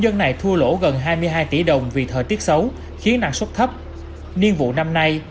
dân này thua lỗ gần hai mươi hai tỷ đồng vì thời tiết xấu khiến năng suất thấp nhiên vụ năm nay